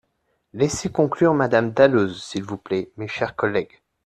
Laissez conclure Madame Dalloz, s’il vous plaît, mes chers collègues.